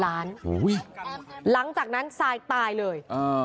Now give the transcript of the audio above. ๕๐ล้านหลังจากนั้นซายตายเลย